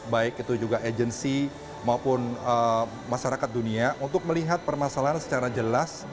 baik itu juga agency maupun masyarakat dunia untuk melihat permasalahan secara jelas